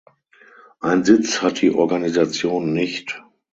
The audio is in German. Einen Sitz hat die Organisation nicht.